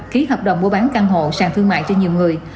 ký hợp đồng mua bán căn hộ sàn thương mại cho nhiều người